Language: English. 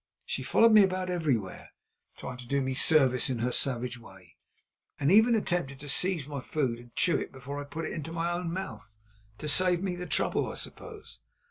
She followed me about everywhere, trying to do me service in her savage way, and even attempted to seize my food and chew it before I put it into my own mouth—to save me the trouble, I suppose.